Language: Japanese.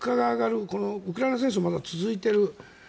まだウクライナの戦争も続いている。